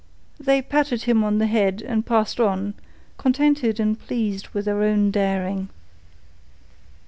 They patted him on the head and passed on, contented and pleased with their own daring.